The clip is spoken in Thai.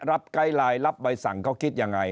รับไกลลายรับใบสั่งเขาคิดยังไง